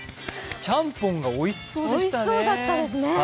ちゃんぽんがおいしそうでしたね。